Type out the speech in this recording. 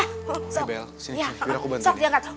hei bel sini sini biar aku bantu